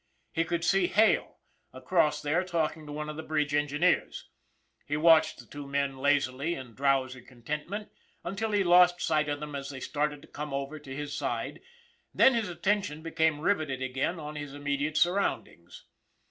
He could see Hale across there talking to one of the bridge engineers. He watched the two men lazily, in drowsy contentment, until he lost sight of them as they started to come over to his side, then his attention became riveted again on his immediate surroundings.